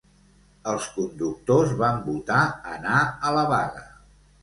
Els conductors van votar anar a la vaga.